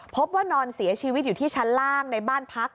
พบว่านอนเสียชีวิตอยู่ที่ชั้นล่างในบ้านพัก